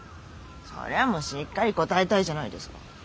そりゃもうしっかり応えたいじゃないですか。